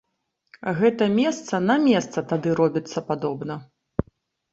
Гэта месца на месца тады робіцца падобна.